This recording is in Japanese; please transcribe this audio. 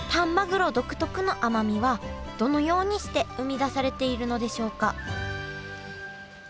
黒独特の甘みはどのようにして生み出されているのでしょうか？